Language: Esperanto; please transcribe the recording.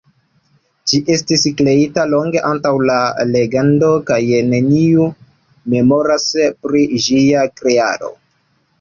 Ĝi estis kreita longe antaŭ la legendo kaj neniu memoras pri ĝia kreado.